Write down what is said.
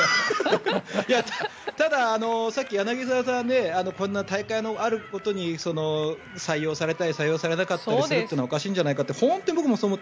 ただ、さっき柳澤さんこんな大会があるごとに採用されたり採用されなかったりするっておかしいんじゃないかって本当に僕もそう思う。